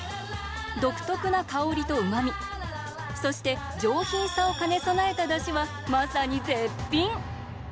独特な香りとうまみそして上品さを兼ね備えただしは、まさに絶品。